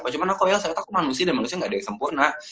cuman aku real saya tahu aku manusia dan manusia gak ada yang sempurna